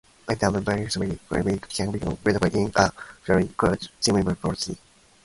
If damaged, the tympanic membrane can be repaired in a procedure called tympanoplasty.